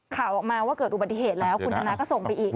ข่าวออกมาว่าเกิดอุบัติเหตุแล้วคุณธนาก็ส่งไปอีก